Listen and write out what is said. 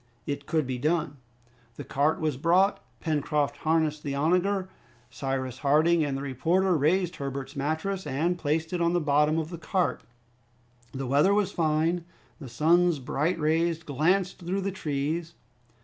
It could be done. The cart was brought. Pencroft harnessed the onager. Cyrus Harding and the reporter raised Herbert's mattress and placed it on the bottom of the cart. The weather was fine. The sun's bright rays glanced through the trees.